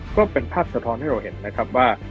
ก็เป็นภาพสะท้อนให้เราเห็นนะครับว่า